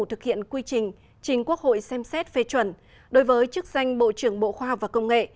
thực hiện quy trình chính quốc hội xem xét phê chuẩn đối với chức danh bộ trưởng bộ khoa học và công nghệ